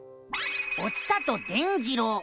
「お伝と伝じろう」。